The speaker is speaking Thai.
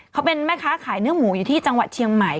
เขาเป็นแม่ค้าขายเนื้อหมูอยู่ที่จังหวัดเชียงใหม่